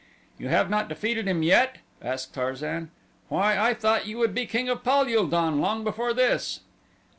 "You have not defeated him yet?" asked Tarzan. "Why I thought you would be king of Pal ul don long before this."